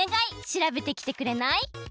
しらべてきてくれない？